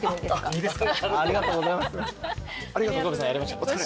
いいですか？